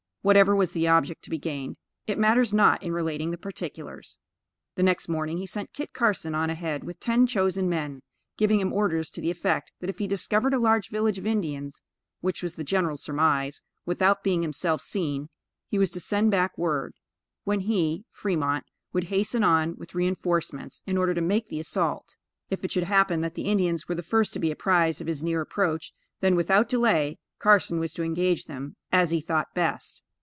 Whatever was the object to be gained, it matters not in relating the particulars. The next morning he sent Kit Carson on ahead, with ten chosen men, giving him orders to the effect that if he discovered a large village of Indians, which was the general surmise, without being himself seen, he was to send back word; when he (Fremont) would hasten on with reinforcements, in order to make the assault. If it should happen that the Indians were the first to be apprised of his near approach, then, without delay, Carson was to engage them as he thought best.